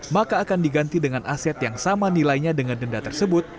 maka akan diganti dengan aset yang sama nilainya dengan denda tersebut